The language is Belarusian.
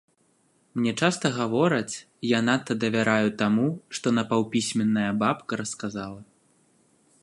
Мне часта гавораць, я надта давяраю таму, што напаўпісьменная бабка расказала.